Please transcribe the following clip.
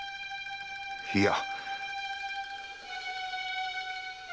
いや。